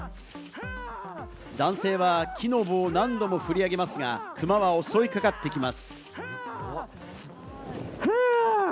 男性は木の棒を何度もふり上げますが、クマは襲いかかってきます。